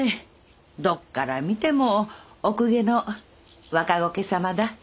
どっから見てもお公家の若後家様だ。